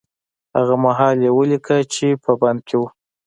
هغه مهال يې وليکه چې په بند کې و.